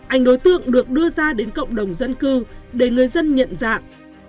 anh đối tượng được đưa ra đến cộng đồng dân cư để người dân nhận dạng